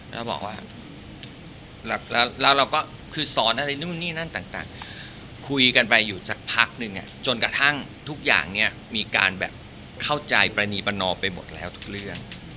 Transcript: แล้วเราก็คือสอนอะไรนี่นั่นต่างคุยกันไปอยู่สักพักนึงจนกระทั่งทุกอย่างมีการเข้าใจประณีประนอมไปหมดแล้วทุกเรื่อง